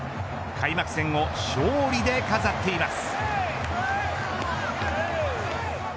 開幕戦を勝利で飾っています。